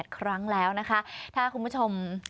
ครั้งแล้วนะคะถ้าคุณผู้ชม